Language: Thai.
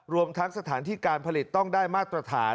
รวมทั้งสถานที่การผลิตต้องได้มาตรฐาน